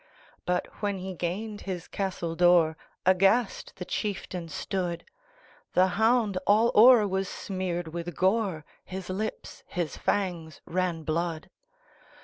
But, when he gained his castle door, Aghast the chieftain stood; The hound all o'er was smeared with gore, His lips, his fangs, ran blood.